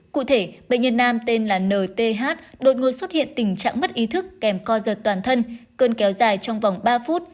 cụ thể bệnh nhân nam tên là nth đột ngột xuất hiện tình trạng mất ý thức kèm co giật toàn thân cơn kéo dài trong vòng ba phút